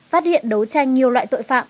phát hiện đấu tranh nhiều loại tội phạm